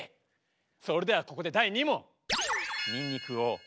それではここで第２問。